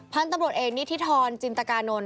พันธุ์ตำรวจเอกนิธิธรจินตกานนท์